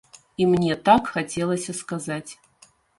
І мне так хацелася сказаць.